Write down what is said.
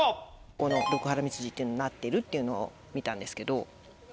この六波羅蜜寺っていうのになってるっていうのを見たんですけど。